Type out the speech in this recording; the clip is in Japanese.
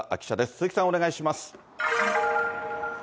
鈴木さん、お願いします。